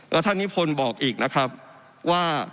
แล้วท่านนิพนธ์บอกอีกนะครับว่า